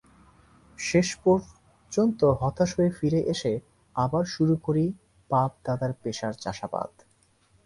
শেষ পর্যন্ত হতাশ হয়ে ফিরে এসে আবার শুরু করি বাপ-দাদার পেশা চাষাবাদ।